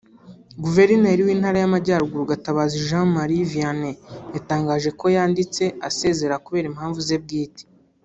Guverineri w’Intara y’Amajyaruguru Gatabazi Jean Marie Vianney yatangaje ko yanditse asezera kubera impamvu ze bwite